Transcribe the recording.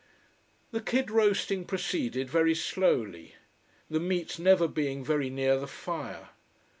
The kid roasting proceeded very slowly, the meat never being very near the fire.